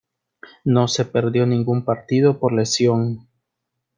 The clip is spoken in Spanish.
No se perdió ningún partido por lesión.